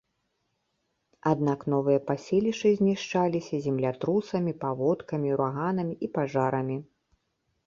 Аднак новыя паселішчы знішчаліся землятрусамі, паводкамі, ураганамі і пажарамі.